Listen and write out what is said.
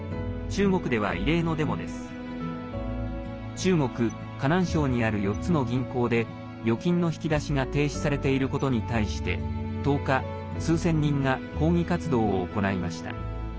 中国・河南省にある４つの銀行で預金の引き出しが停止されていることに対して１０日、数千人が抗議活動を行いました。